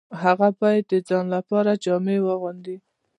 هغه باید د ځان لپاره جامې واغوندي